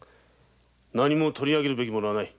取り上げるべきものはない。